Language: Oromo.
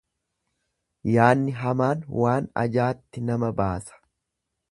Yaanni hamaan waan ajaatti nama baasa.